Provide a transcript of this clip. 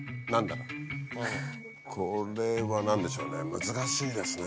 これは何でしょうね？